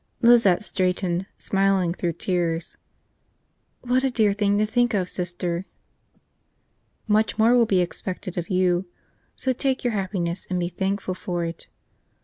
Lizette straightened, smiling through tears. "What a dear thing to think of, Sister." "Much more will be expected of you. So take your happiness and be thankful for it."